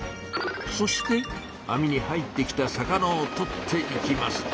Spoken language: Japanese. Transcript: そして網に入ってきた魚をとっていきます。